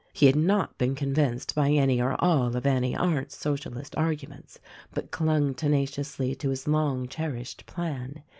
He had not been convinced by any or all of Annie Arndt's Socialist arguments, but clung tenaciously to his long cherished plan.